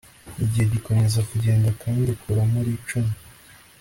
Igihe gikomeza kugenda kandi ukura muri icumi